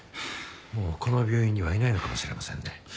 もうこの病院にはいないのかもしれませんね。